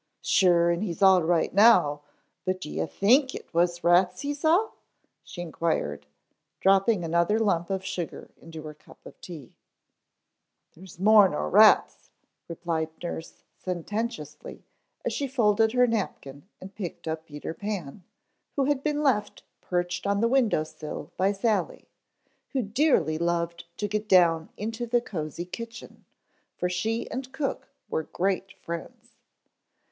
"Sure and he's all right now, but do ye's think it was rats he saw?" she inquired, dropping another lump of sugar into her cup of tea. "There's more nor rats," replied nurse sententiously as she folded her napkin and picked up Peter Pan, who had been left perched on the window sill by Sally, who dearly loved to get down into the cosy kitchen, for she and cook were great friends.